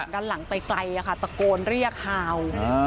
ด้านหลังไปไกลตะโกนเรียกฮาว